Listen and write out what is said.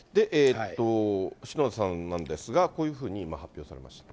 篠田さんなんですが、こういうふうに今、発表されました。